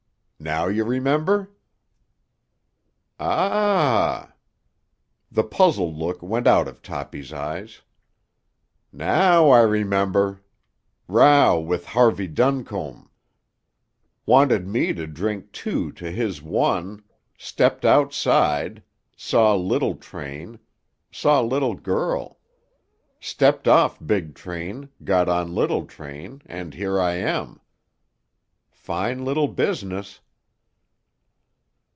Now you remember?" "Ah!" The puzzled look went out of Toppy's eyes. "Now I remember. Row with Harvey Duncombe. Wanted me to drink two to his one. Stepped outside. Saw little train. Saw little girl. Stepped off big train, got on little train, and here I am. Fine little business."